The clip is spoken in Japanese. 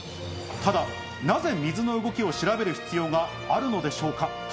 ただ、なぜ水の動きを調べる必要があるのでしょうか？